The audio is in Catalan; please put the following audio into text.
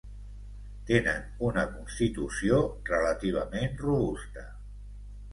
Tenen una constitució relativament robusta.